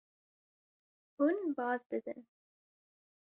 Hûn baz didin.